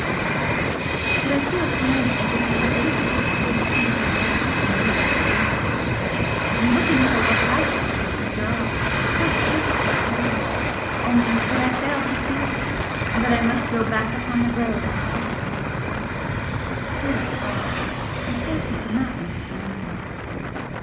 I said "But I feel to night as if I had wasted a good part of my life in useless research, in looking for what has been, after all, quite close to my hand, only that I failed to see it! and that I must go back upon the road I thought I had passed " Here I paused. I saw she could not understand me.